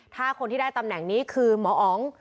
ถ้าคนที่ได้ตำแหน่งนี้คือหมออ๋อง